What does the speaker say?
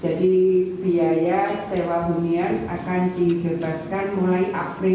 jadi biaya sewa hunian akan dibebaskan mulai april